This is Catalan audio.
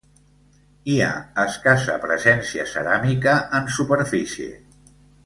Hi ha escassa presència ceràmica en superfície.